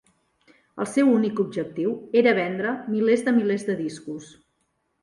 El seu únic objectiu era vendre milers de milers de discos.